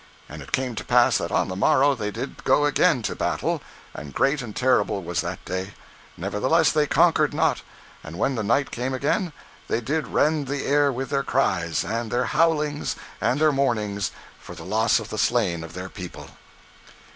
And it came to pass that on the morrow they did go again to battle, and great and terrible was that day; nevertheless they conquered not, and when the night came again, they did rend the air with their cries, and their howlings, and their mournings, for the loss of the slain of their people.